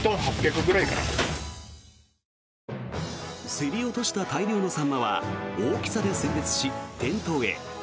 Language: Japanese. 競り落とした大量のサンマは大きさで選別し、店頭へ。